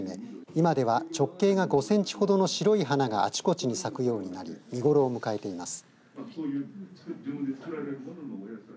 今では直径が５センチほどの白い花があちこちに咲くようになり見頃を迎えています。